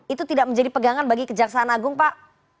itu tidak menjadi pegangan bagi kejaksaan agung pak